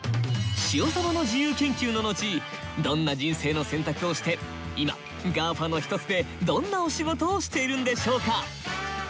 塩サバの自由研究の後どんな人生の選択をして今ＧＡＦＡの一つでどんなお仕事をしているんでしょうか？